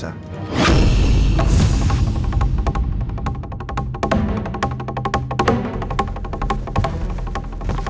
saya ingin menemukan anda